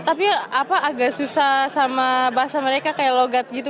tapi agak susah sama bahasa mereka kayak logat gitu